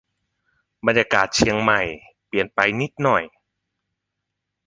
บรรยากาศเชียงใหม่เปลี่ยนไปนิดหน่อย